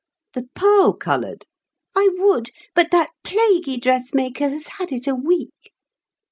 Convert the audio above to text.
"The pearl colored" "I would, but that plaguy dressmaker Has had it a week."